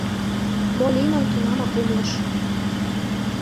Мо лиймым тунамак умылыш.